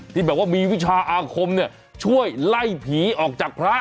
ที่แบบว่ามีวิชาอาคมเนี่ยช่วยไล่ผีออกจากพระ